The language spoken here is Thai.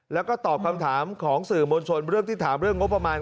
แล้วก็ตอบคำถามของสื่อมวลชนเรื่องที่ถามเรื่องงบประมาณ